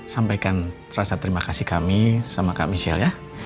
sampaikan rasa terima kasih kami sama kak michelle ya